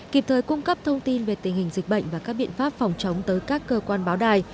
kịp thời cung cấp thông tin về tình hình dịch bệnh và các biện pháp phòng chống tới các cơ quan báo đài